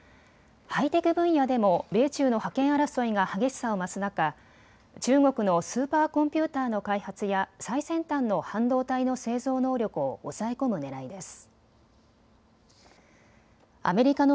ハイテク分野でも米中の覇権争いが激しさを増す中、中国のスーパーコンピューターの開発や最先端の半導体の製造能力を抑え込むねらいです。